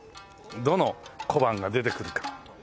どの小判が出てくるかねっ。